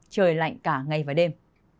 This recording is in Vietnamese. trời lạnh cả ngày và đêm